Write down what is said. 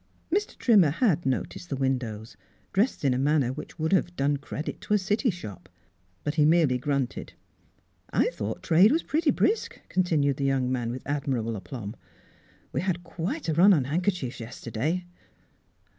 Mr. Trimmer had noticed the windows, dressed in a manner which would have done credit to a city shop. But he merely grunted. " I thought trade was pretty brisk, jj Miss Fhilura's Wedding Gown continued the young man, with admirable aplomb. " We had quite a run on hand kerchiefs yesterday."